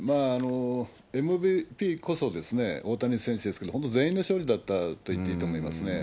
ＭＶＰこそ大谷選手ですけど、本当、全員の勝利だったといっていいと思いますね。